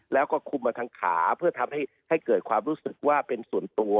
แล้วก็คุมมาทางขาเพื่อทำให้เกิดความรู้สึกว่าเป็นส่วนตัว